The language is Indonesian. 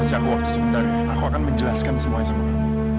kasih aku waktu sebentar aku akan menjelaskan semua ini sama kamu